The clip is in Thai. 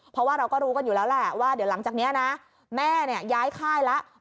เพราะว่าเราก็รู้กันอยู่แล้วแหละว่าเดี๋ยวหลังจากนี้นะแม่ย้ายค่ายแล้ว